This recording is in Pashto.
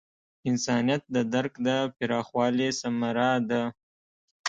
انسانیت د درک د پراخوالي ثمره ده.